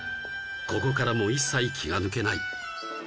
ここからも一切気が抜けない